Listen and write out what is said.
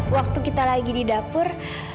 waktu kita lagi di dapur